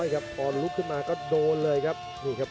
กันต่อแพทย์จินดอร์